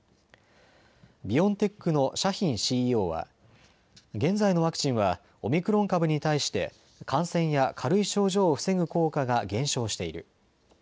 ビオンテックのシャヒンＣＥＯは現在のワクチンはオミクロン株に対して感染や軽い症状を防ぐ効果が減少している。